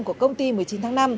của công ty một mươi chín tháng năm